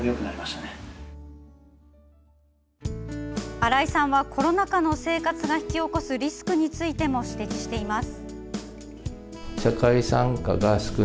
新井さんはコロナ禍の生活が引き起こすリスクについても指摘しています。